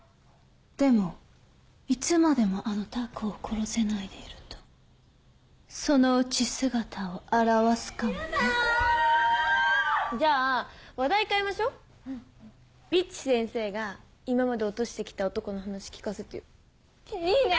いつまでもあのタコを殺せないでいるとそのうち姿を現すかもねじゃあ話題変えましょうんビッチ先生が今まで落としてきた男の話聞かせてよいいね！